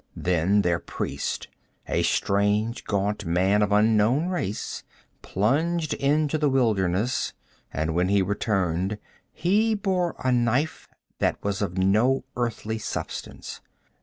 Then their priest, a strange gaunt man of unknown race, plunged into the wilderness, and when he returned he bore a knife that was of no earthly substance.